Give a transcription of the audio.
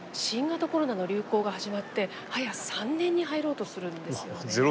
新型コロナの流行が始まってはや３年に入ろうとするんですよね。